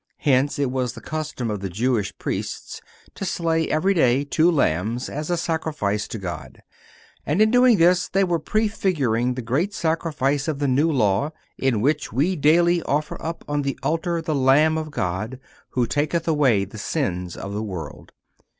Hence, it was the custom of the Jewish Priests to slay every day two lambs as a sacrifice to God,(392) and in doing this they were prefiguring the great sacrifice of the New Law, in which we daily offer up on the altar "the Lamb of God, who taketh away the sins of the world."